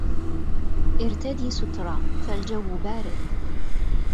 ارتدِ سترة، فالجو بارد.